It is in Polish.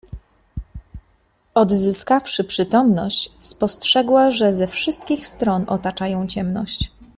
Odzyskawszy przytomność, spostrzegła, że ze wszystkich stron otacza ją ciemność.